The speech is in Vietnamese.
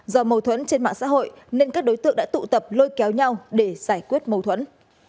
do mâu thuẫn trên mạng xã hội nên các đối tượng đã tụ tập lôi kéo nhau để giải quyết mâu thuẫn